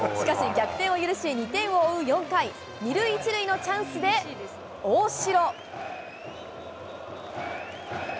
しかし逆転を許し、２点を追う４回、２塁１塁のチャンスで大城。